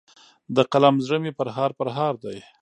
د قلم زړه مي پرهار پرهار دی